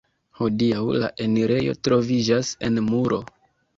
Hodiaŭ la enirejo troviĝas en muro.